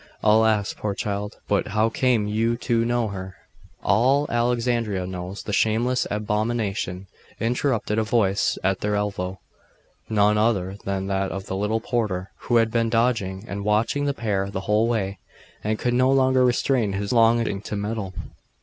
Alas! poor child! But how came you to know her?' 'All Alexandria knows the shameless abomination,' interrupted a voice at their elbow none other than that of the little porter, who had been dodging and watching the pair the whole way, and could no longer restrain his longing to meddle.